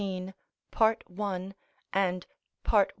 part. 1. and part.